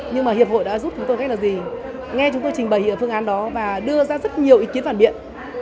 nhưng mà hiệp hội đã giúp chúng tôi cách là gì nghe chúng tôi trình bày ở phương án đó và đưa ra rất nhiều ý kiến phản biện